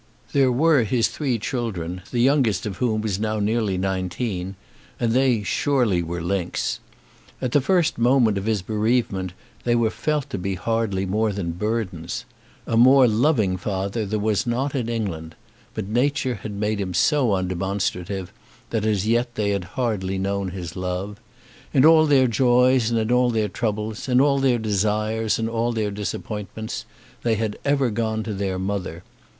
There were his three children, the youngest of whom was now nearly nineteen, and they surely were links! At the first moment of his bereavement they were felt to be hardly more than burdens. A more loving father there was not in England, but nature had made him so undemonstrative that as yet they had hardly known his love. In all their joys and in all their troubles, in all their desires and all their disappointments, they had ever gone to their mother.